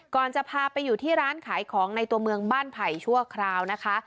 จะพาไปอยู่ที่ร้านขายของในตัวเมืองบ้านไผ่ชั่วคราวนะคะ